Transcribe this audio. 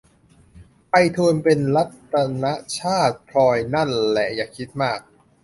ไพฑูรย์ เป็นรัตนชาติ พลอยนั่นแหละ อย่าคิดมาก